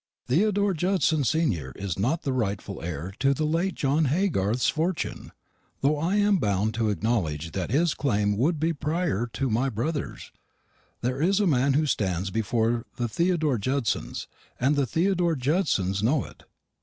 Theodore Judson senior is not the rightful heir to the late John Haygarth's fortune, though I am bound to acknowledge that his claim would be prior to my brother's. There is a man who stands before the Theodore Judsons, and the Theodore Judsons know it.